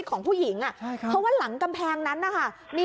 สวัสดีสวัสดี